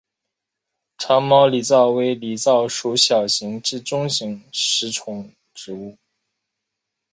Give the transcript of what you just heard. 长毛狸藻为狸藻属小型至中型食虫植物。